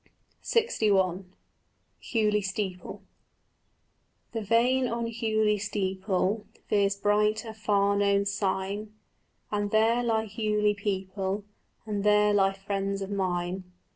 LXI HUGHLEY STEEPLE The vane on Hughley steeple Veers bright, a far known sign, And there lie Hughley people, And there lie friends of mine.